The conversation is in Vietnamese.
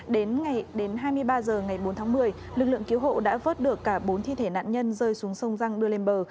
đến hai mươi ba h ngày bốn tháng một mươi lực lượng cứu hộ đã vớt được cả bốn thi thể nạn nhân rơi xuống sông răng đưa lên bờ